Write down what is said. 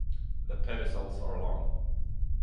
The pedicels are long.